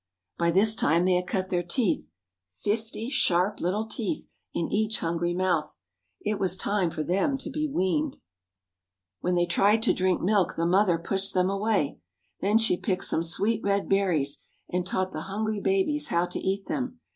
By this time they had cut their teeth,—fifty sharp little teeth in each hungry mouth. It was time for them to be weaned. When they tried to drink milk the mother pushed them away. Then she picked some sweet red berries, and taught the hungry babies how to eat them.